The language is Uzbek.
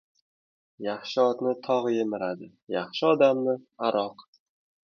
• Yaxshi otni tog‘ yemiradi, yaxshi odamni — aroq.